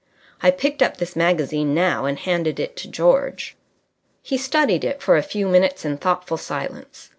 I picked up this magazine now and handed it to George. He studied it for a few minutes in thoughtful silence.